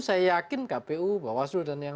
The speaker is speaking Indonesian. saya yakin kpu bawaslu dan yang